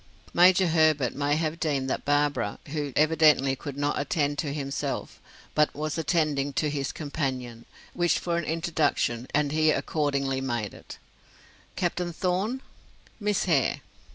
Major Herbert may have deemed that Barbara, who evidently could not attend to himself, but was attending to his companion, wished for an introduction, and he accordingly made it. "Captain Thorn Miss Hare."